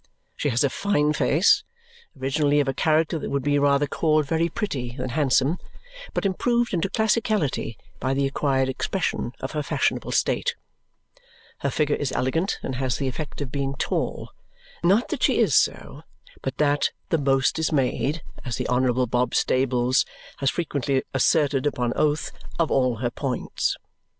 She has a fine face originally of a character that would be rather called very pretty than handsome, but improved into classicality by the acquired expression of her fashionable state. Her figure is elegant and has the effect of being tall. Not that she is so, but that "the most is made," as the Honourable Bob Stables has frequently asserted upon oath, "of all her points."